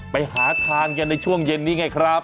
ไปหาทานกันในช่วงเย็นนี้ไงครับ